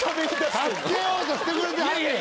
助けようとしてくれてはんねん。